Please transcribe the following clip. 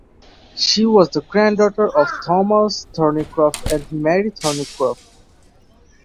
She was the granddaughter of Thomas Thornycroft and Mary Thornycroft.